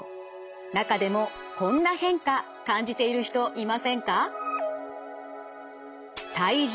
中でもこんな変化感じている人いませんか？